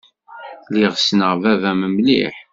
Lliɣ ssneɣ baba-m mliḥ.